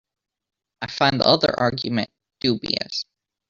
I find the other argument dubious.